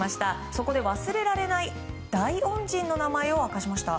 そこで忘れられない大恩人の名前を明かしました。